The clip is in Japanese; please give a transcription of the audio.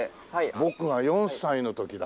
僕が４歳の時だ。